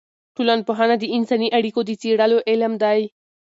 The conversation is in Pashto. ټولنپوهنه د انساني اړیکو د څېړلو علم دی.